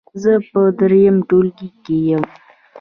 زه په دریم ټولګي کې یم.